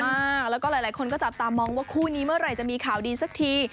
อ่าแล้วก็หลายคนก็จับตามองว่าคู่นี้เมื่อไหร่จะมีข่าวดีสักที